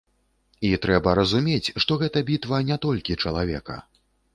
І трэба разумець, што гэта бітва не толькі чалавека.